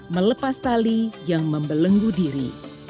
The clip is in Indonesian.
melepas tali yang membelenggu diri